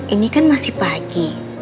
ini kan masih pagi